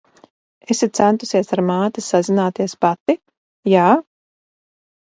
Esi centusies ar māti sazināties pati, jā?